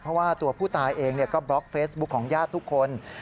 เพราะว่าตัวผู้ตายเองก็บล็อกเฟซบุ๊คของญาติทุกคน